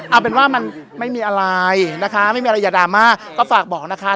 เอาเป็นว่ามันไม่มีอะไรนะคะไม่มีอะไรอย่าดราม่าก็ฝากบอกนะคะ